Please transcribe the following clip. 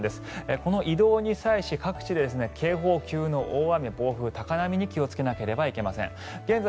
この移動に際し、各地に警報級の大雨、暴風、高波に警戒しなければいけません。